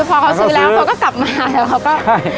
พอเขาซื้อแล้วเขาก็กลับมาแล้วเขาก็